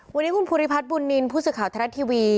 วันนี้คุณภูริพัฒน์บุญนินทร์ผู้สื่อข่าวทรัฐทีวี